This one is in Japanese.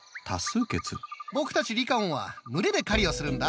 僕たちリカオンは群れで狩りをするんだ。